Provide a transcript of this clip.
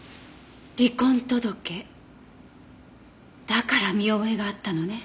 だから見覚えがあったのね。